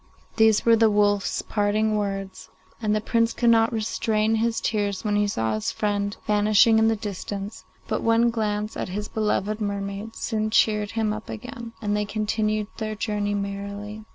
These were the wolf's parting words, and the Prince could not restrain his tears when he saw his friend vanishing in the distance; but one glance at his beloved mermaid soon cheered him up again, and they continued on their journey merrily.